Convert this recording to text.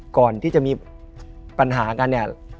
ก่อนที่จะมีปัญหากันเนี่ย